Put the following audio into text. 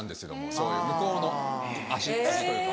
そういう向こうの味というか。